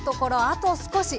あと少し。